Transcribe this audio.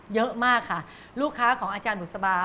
เยอะมากค่ะลูกค้าของอาจารย์บุษบา